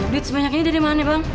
duit sebanyak ini dari mana bang